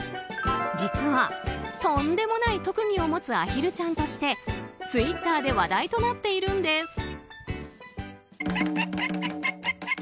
実はとんでもない特技を持つアヒルちゃんとしてツイッターで話題となっているんです。